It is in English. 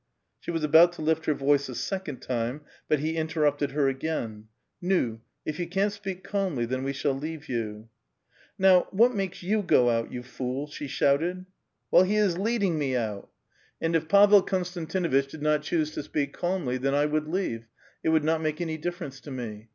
She was about to lift her voice a second time, but he interrupted her again, '* ^w, if you can't speak calmly, then we shall leave you." "Now, what makes you go out, you fool Idurah]?" she shouted. '* Well, he is leading me out !" A VITAL QUESTION. 145 '* And if Pavel Konstantinuitch did not choose to speak calmly, tbeu 1 would leave ; it would not make any ditfer ence to me.